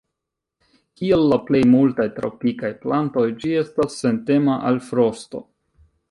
Kiel la plej multaj tropikaj plantoj, ĝi estas sentema al frosto.